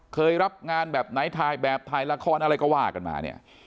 เคยรับงานแบบไหนถ่ายแบบถ่ายละครอะไรก็ว่ากันมาเนี่ย